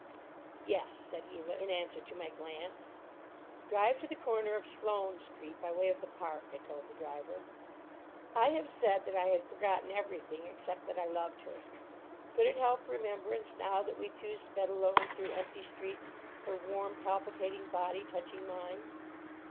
"Yes," said Eva, in answer to my glance. "Drive to the corner of Sloane Street, by way of the Park," I told the driver. I have said that I had forgotten everything except that I loved her. Could it help remembrance now that we two sped alone through empty streets, her warm, palpitating body touching mine?